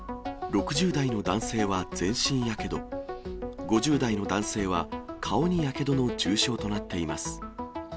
６０代の男性は全身やけど、５０代の男性は顔にやけどの重傷となっています。